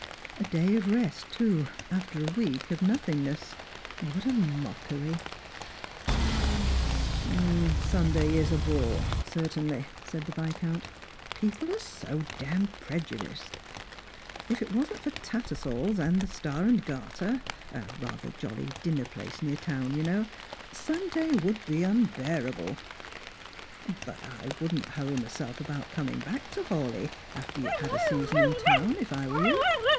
A day of rest, too, after a week of nothingness. What a mockery !"" Sunday is a bore, certainly," said the Viscount. " People are so dam preiudiced. If it wasn't for Tattersall's, and the Strangers and Pilgrimg. 107 Star aud Garter — a rather jolly dinner place near town, you know — Sunday would be unbearable. But I wouldn't hurry myself about coming back to Hawleigh after you've had a season in town, if I were you.